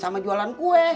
jangan lupa liat video ini